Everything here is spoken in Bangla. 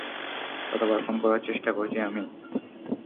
কতবার ফোন করার চেষ্টা করেছি আমি?